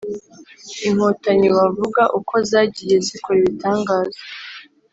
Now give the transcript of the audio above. Inkotanyi, wavuga uko zagiye zikora ibitangaza